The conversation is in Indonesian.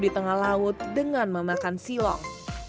di tengah laut dengan memakan silong